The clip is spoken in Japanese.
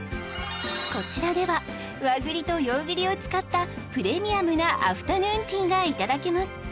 こちらでは和栗と洋栗を使ったプレミアムなアフタヌーンティーがいただけます